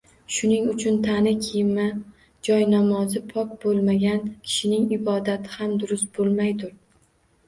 Shuning uchun tani, kiyimi, joynomozi pok bo’lmagan kishining ibodati ham durust bo’lmaydur